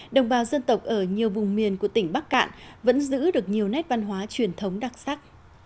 đồng bào dân tộc ở nhiều vùng miền của tỉnh bắc cạn vẫn giữ được nhiều nét văn hóa truyền thống đặc sắc